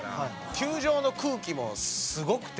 球場の空気もすごくて。